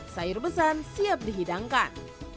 sayur besan siap dihidangkan